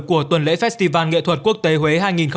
của tuần lễ festival nghệ thuật quốc tế huế hai nghìn hai mươi bốn